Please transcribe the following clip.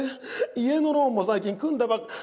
家のローンも最近組んだばっかり。